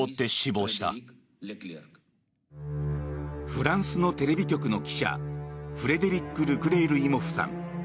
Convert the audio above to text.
フランスのテレビ局の記者フレデリック・ルクレールイモフさん。